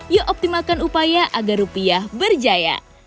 ia optimalkan upaya agar rupiah berjaya